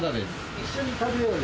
一緒に食べようよ。